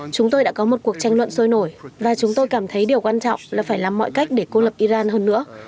chúng tôi đã có một cuộc tranh luận sôi nổi và chúng tôi cảm thấy điều quan trọng là phải làm mọi cách để cô lập iran hơn nữa